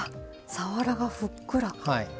さわらが、ふっくら！